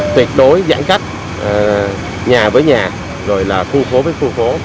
tuyệt đối giãn cách nhà với nhà rồi là khu phố với khu phố